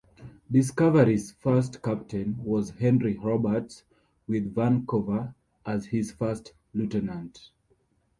"Discovery"s first captain was Henry Roberts, with Vancouver as his first lieutenant.